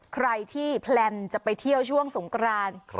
ใครที่แพลนจะไปเที่ยวช่วงสงกราน